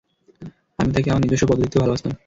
আমি তাকে আমার নিজস্ব পদ্ধতিতে ভালবাসতাম।